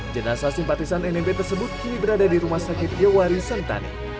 jenasa simpatisan nmb tersebut kini berada di rumah sakit yowari sentani